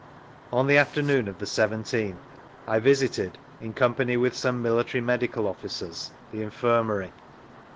On the afternoon of the 17th I visited, in company with some military medical officers, the Infirmary.